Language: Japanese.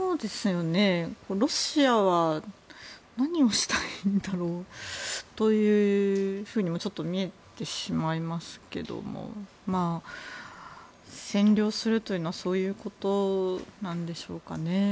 ロシアは何をしたいんだろうというふうにもちょっと見えてしまいますけども占領するというのはそういうことなんでしょうかね。